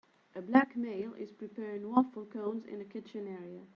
A black male is preparing waffle cones in a kitchen area